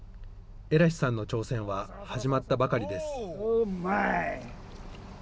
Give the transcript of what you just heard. エラヒさんの挑戦は始まったばかりです。